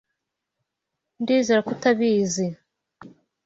Ndizera ko utabizi